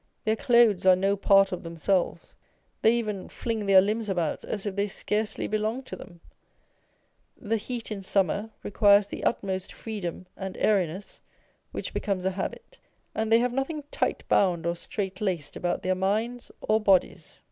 Their clothes are no part of themselves,â€" they even fling their limbs about as if they scarcely belonged to them ; the heat in summer requires the utmost freedom and airiness (which becomes a habit), and they have nothing tight bound or straight laced about their minds or bodies.